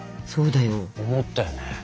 そうだよ。思ったよね。